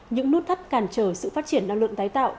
những nút thắt cản trở sự phát triển năng lượng tái tạo